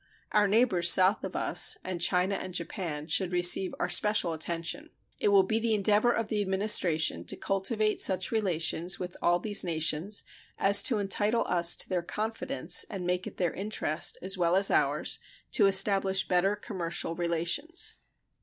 Our neighbors south of us and China and Japan, should receive our special attention. It will be the endeavor of the Administration to cultivate such relations with all these nations as to entitle us to their confidence and make it their interest, as well as ours, to establish better commercial relations.